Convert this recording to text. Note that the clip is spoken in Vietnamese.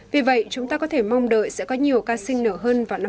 vì vậy chúng ta có thể mong đợi sẽ có nhiều ca sinh nở hơn vào năm hai nghìn hai mươi